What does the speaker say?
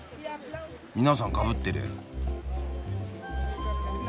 皆さんかぶってる。